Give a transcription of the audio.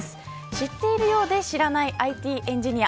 知っているようで知らないＩＴエンジニア。